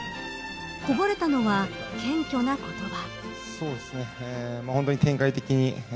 こぼれたのは謙虚な言葉。